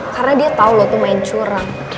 karena dia tau lo tuh main curang